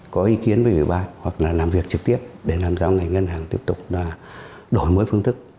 có ý kiến với người bán hoặc là làm việc trực tiếp để làm sao ngành ngân hàng tiếp tục đổi mỗi phương thức